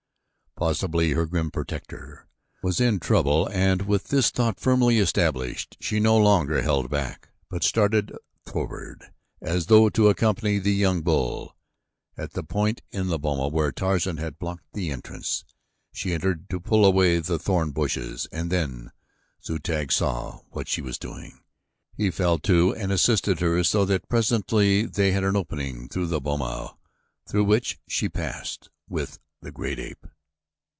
Possibly her grim protector was in trouble and with this thought firmly established, she no longer held back, but started forward as though to accompany the young bull. At the point in the boma where Tarzan had blocked the entrance, she started to pull away the thorn bushes, and, when Zu tag saw what she was doing, he fell to and assisted her so that presently they had an opening through the boma through which she passed with the great ape.